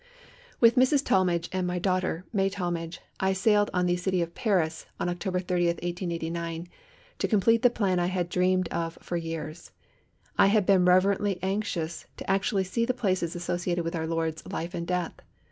With Mrs. Talmage and my daughter, May Talmage, I sailed on the "City of Paris," on October 30, 1889, to complete the plan I had dreamed of for years. I had been reverently anxious to actually see the places associated with our Lord's life and death.